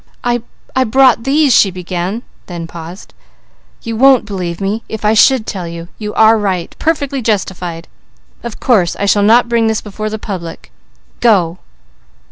"I brought these " she began, then paused. "You wouldn't believe me, if I should tell you. You are right! Perfectly justified! Of course I shall not bring this before the public. Go!"